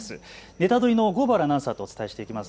ネタドリ！の合原アナウンサーとお伝えしていきます。